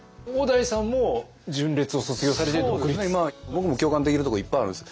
僕も共感できるところいっぱいあるんです。